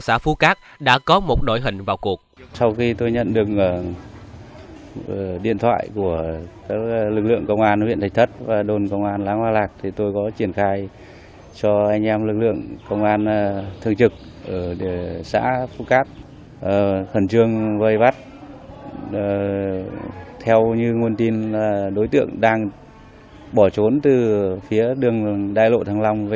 sau khi nhận được chỉ đạo của công an huyện đình thất